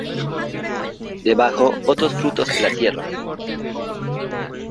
Debajo otros frutos de la tierra.